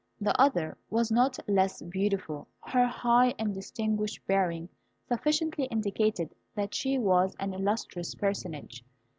The other was not less beautiful. Her high and distinguished bearing sufficiently indicated that she was an illustrious personage.